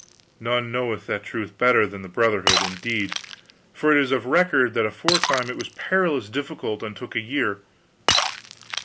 "None knoweth that truth better than the brotherhood, indeed; for it is of record that aforetime it was parlous difficult and took a year.